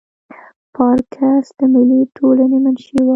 پارکس د ملي ټولنې منشي وه.